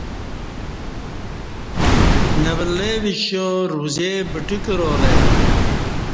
نہ ولّے وِشّا روزی بٹہ کرالہ ای